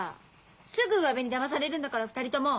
すぐうわべにだまされるんだから２人とも。